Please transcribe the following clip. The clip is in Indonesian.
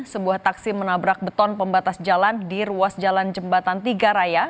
sebuah taksi menabrak beton pembatas jalan di ruas jalan jembatan tiga raya